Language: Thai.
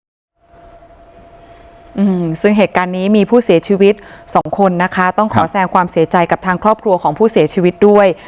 อืมซึ่งเหตุการณ์นี้มีผู้เสียชีวิตสองคนนะคะต้องขอแสงความเสียใจกับทางครอบครัวของผู้เสียชีวิตด้วย